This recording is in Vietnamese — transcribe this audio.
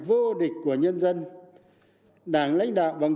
vô địch của nhân dân đảng lãnh đạo bằng